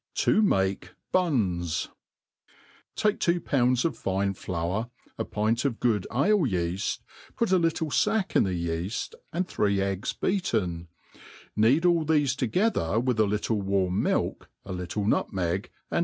To make Buns. TAKE two pounds of fine flour, a pint of good ale yeafi^ ^ol a little /ack in the yeaft, and three ^ge beatei;i, kn^ad aU thefe together with a little warm milk^ a little 4iutmeg, ajx!